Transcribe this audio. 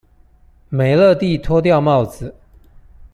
美樂蒂脫掉帽子